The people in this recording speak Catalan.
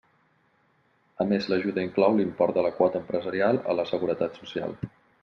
A més l'ajuda inclou l'import de la quota empresarial a la Seguretat Social.